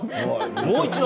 もう一度。